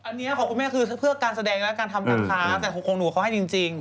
อันนี้ของคุณแม่คือเพื่อการแสดงและการทำการค้าแต่ของหนูเขาให้จริง